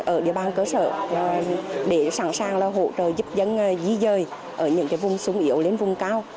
ở địa bàn cơ sở để sẵn sàng là hỗ trợ giúp dân dí dơi ở những cái vùng súng yếu đến vùng cao